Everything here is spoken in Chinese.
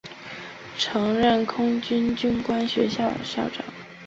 曾任空军军官学校校长。